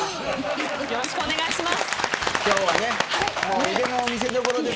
よろしくお願いします。